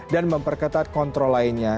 dan memperketat kontrol lainnya